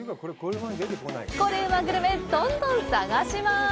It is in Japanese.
コレうまグルメ、どんどん探します！